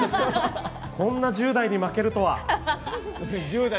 こんな１０代に負けるとは！